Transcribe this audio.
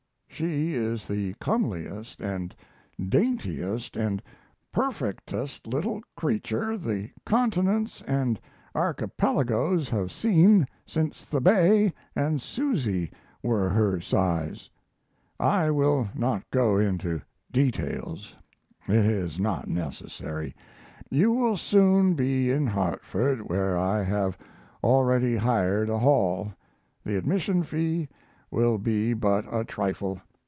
She is the comeliest and daintiest and perfectest little creature the continents and archipelagos have seen since the Bay and Susy were her size. I will not go into details; it is not necessary; you will soon be in Hartford, where I have already hired a hall; the admission fee will be but a trifle.